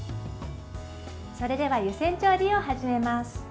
それでは湯煎調理を始めます。